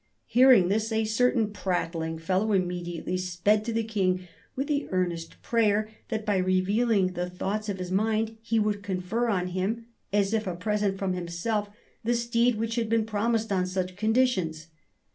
Hearing this, a certain prattling fellow immediately sped to the king with the earnest prayer that by reveal ing the thoughts of his mind he would confer on him, as if a present from himself, the steed which had been promised on such conditions.